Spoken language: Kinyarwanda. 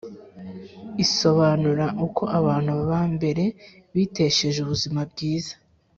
Isobanura uko abantu ba mbere bitesheje ubuzima bwiza